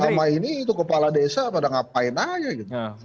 selama ini itu kepala desa pada ngapain aja gitu